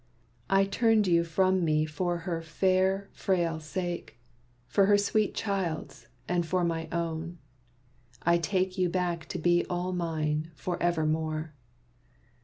I turned you from me for her fair, frail sake. For her sweet child's, and for my own, I take You back to be all mine, for evermore."